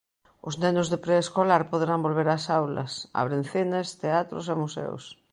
Os nenos de preescolar poderán volver ás aulas, abren cines, teatros e museos.